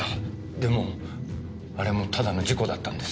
でもあれもただの事故だったんです。